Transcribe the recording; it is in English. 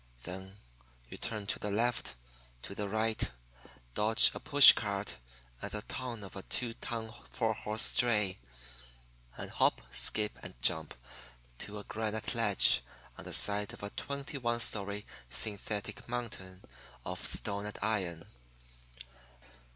Then you turn to the left, to the right, dodge a push cart and the tongue of a two ton four horse dray and hop, skip, and jump to a granite ledge on the side of a twenty one story synthetic mountain of stone and iron.